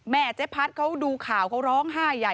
แม่เจ๊พัฒน์เขาดูข่าวเขาร้องไห้